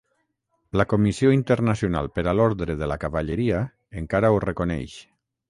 La Comissió Internacional per a l'Ordre de la Cavalleria encara ho reconeix.